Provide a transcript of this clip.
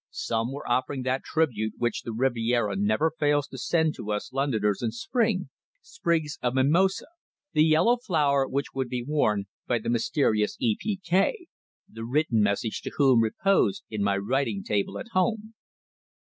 Some were offering that tribute which the Riviera never fails to send to us Londoners in spring sprigs of mimosa: the yellow flower which would be worn by the mysterious "E. P. K.," the written message to whom reposed in my writing table at home.